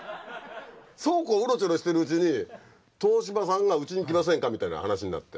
そうこううろちょろしてるうちに東芝さんがうちに来ませんかみたいな話になって。